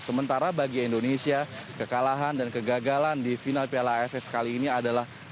sementara bagi indonesia kekalahan dan kegagalan di final piala aff kali ini adalah